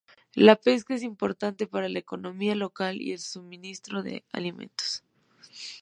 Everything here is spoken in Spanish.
La pesca es importante para la economía local y el suministro de alimentos.